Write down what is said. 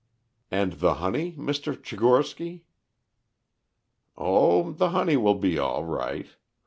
"And the honey, Mr. Tchigorsky?" "Oh, the honey will be all right.